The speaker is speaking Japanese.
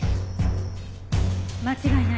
間違いない。